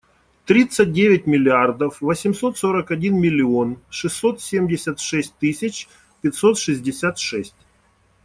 Тридцать девять миллиардов восемьсот сорок один миллион шестьсот семьдесят шесть тысяч пятьсот шестьдесят шесть.